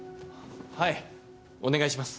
はいお願いします。